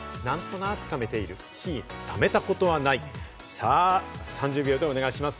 さぁ３０秒でお願いします。